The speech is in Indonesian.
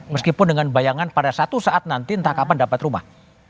meskipun dengan bayangan pada satu saat nanti entah kapan dapat rumah